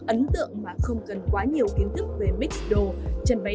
ấn tượng mà không cần quá nhiều kiến thức về mix đồ chân váy